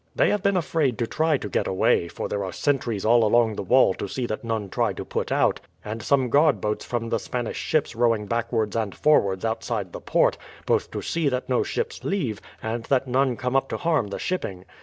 They have been afraid to try to get away; for there are sentries all along the wall to see that none try to put out, and some guard boats from the Spanish ships rowing backwards and forwards outside the port, both to see that no ships leave, and that none come up to harm the shipping.